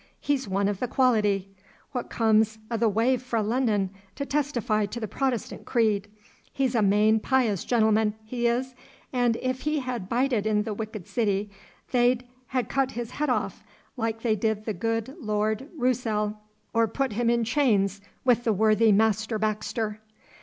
He's one o' the Quality, what's come a' the way froe Lunnon to testify to the Protestant creed. He's a main pious gentleman, he is, an' if he had bided in the wicked city they'd ha' had his head off, like they did the good Lord Roossell, or put him in chains wi' the worthy Maister Baxter.